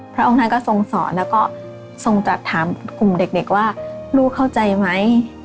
พระองค์ท่านก็ทรงสอนแล้วก็ทรงจัดถามกลุ่มเด็กว่าลูกเข้าใจไหม